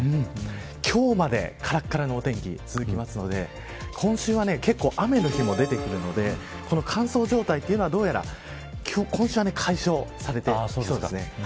今日までからっからのお天気続くので今週は結構雨の日も出てくるので乾燥状態はどうやら今週は解消されてきそうです。